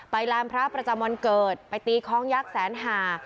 ลานพระประจำวันเกิดไปตีคล้องยักษ์แสนหา